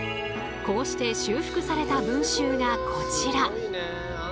こうして修復された文集がこちら。